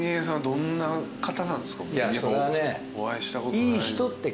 どんな方なんですか？